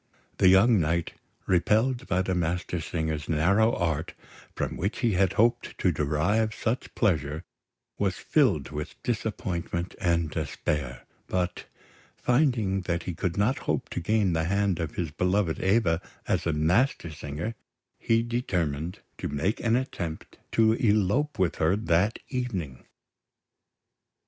The young knight, repelled by the Mastersingers' narrow art, from which he had hoped to derive such pleasure, was filled with disappointment and despair; but, finding that he could not hope to gain the hand of his beloved Eva as a Mastersinger, he determined to make an attempt to elope with her that evening.